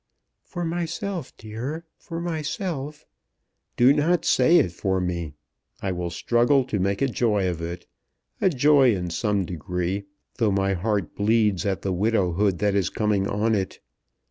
"For myself, dear, for myself " "Do not say it for me. I will struggle to make a joy of it, a joy in some degree, though my heart bleeds at the widowhood that is coming on it.